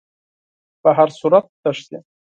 په هر صورت تښتي.